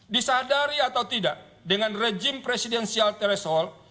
disadari atau tidak dengan rejim presidensial threshold